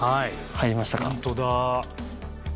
入りました？